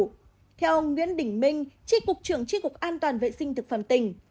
theo nguyễn đỉnh minh trị cục trưởng trị cục an toàn vệ sinh thực phẩm tỉnh